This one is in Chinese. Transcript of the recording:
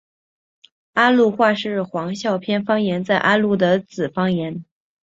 安陆话是黄孝片方言在安陆的子方言。